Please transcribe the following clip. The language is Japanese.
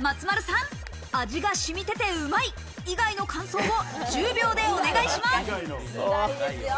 松丸さん、味がしみててうまい以外の感想を１０秒でお願いします。